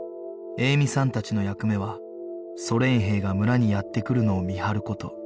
栄美さんたちの役目はソ連兵が村にやって来るのを見張る事